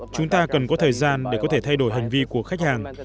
chúng ta cần có thời gian để có thể thay đổi hành vi của khách hàng